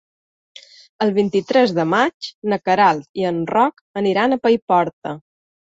El vint-i-tres de maig na Queralt i en Roc aniran a Paiporta.